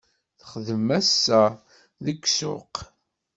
Texdem ass-a deg ssuq.